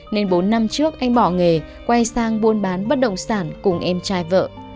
nên bốn năm trước anh bỏ nghề quay sang buôn bán bất động sản cùng em trai vợ